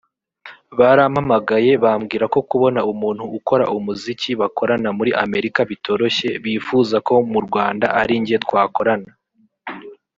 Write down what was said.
barampamagaye bambwira ko kubona umuntu ukora umuziki bakorana muri Amerika bitoroshye bifuza ko mu Rwanda ari njye twakorana